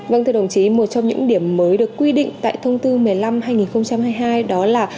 vâng thưa đồng chí một trong những điểm mới được quy định tại thông tư một mươi năm hai nghìn hai mươi hai đó là